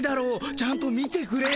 ちゃんと見てくれよ。